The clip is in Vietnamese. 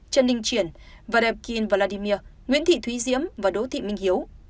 trần ninh triển và đẹp kiên vladimir nguyễn thị thúy diễm và đỗ thị minh hiếu